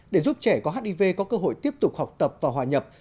để giúp trẻ có hiv có cơ hội tiếp tục học tập và hòa nhập